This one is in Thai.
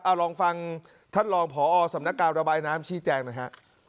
เอาลองฟังท่านรองพอสำนักการระบายน้ำชี้แจงหน่อยฮะ